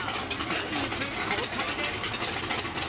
来月公開です。